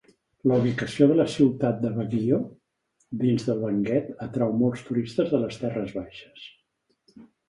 La ubicació de la ciutat de Baguio dins del Benguet atrau molts turistes de les terres baixes.